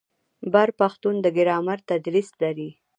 بر پښتون د ګرامر تدریس لري.